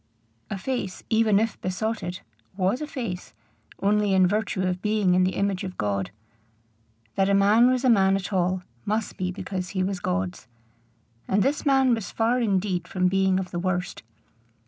A face, even if besotted, was a face, only in virtue of being in the image of God. That a man was a man at all, must be because he was God's. And this man was far indeed from being of the worst.